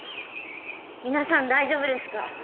皆さん大丈夫ですか？